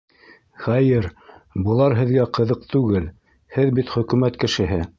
Хәйер, былар һеҙгә ҡыҙыҡ түгел, һеҙ бит... хөкүмәт кешеһе.